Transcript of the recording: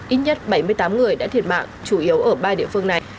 ít nhất bảy mươi tám người đã thiệt mạng chủ yếu ở ba địa phương này